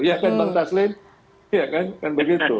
ya kan bang taslim ya kan kan begitu